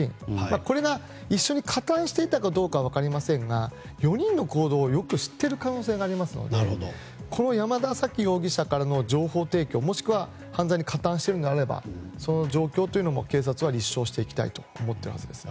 これが、一緒に加担していたかどうかは分かりませんが４人の行動をよく知っている可能性がありますのでこの山田李沙容疑者からの情報提供、もしくは犯罪に加担しているのであればその状況も警察は立証していきたいと思っているはずですね。